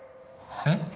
えっ！？